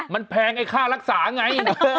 มันแพงไอ้ค่ารักษาไง